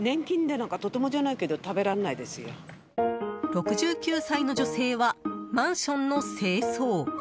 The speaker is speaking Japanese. ６９歳の女性はマンションの清掃。